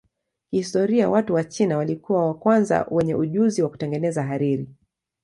Kihistoria watu wa China walikuwa wa kwanza wenye ujuzi wa kutengeneza hariri.